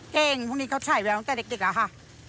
เก่งพรุ่งนี้เค้าใช้แล้วตั้งแต่เด็กแล้วค่ะ